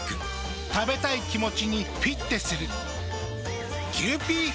食べたい気持ちにフィッテする。